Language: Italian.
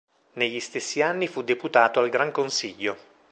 Negli stessi anni fu deputato al Gran Consiglio..